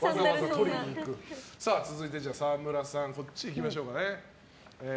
続いて、沢村さんいきましょうか。